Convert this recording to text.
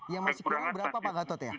yang masih kurang berapa pak gatot ya